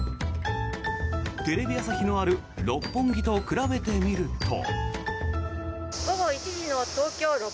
テレビ朝日のある六本木と比べてみると。